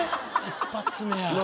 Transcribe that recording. １発目や。